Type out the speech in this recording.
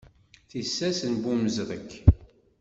Tissas n Bu Mezreg.